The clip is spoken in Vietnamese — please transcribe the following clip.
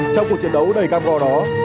trong cuộc chiến đấu đầy cam go đó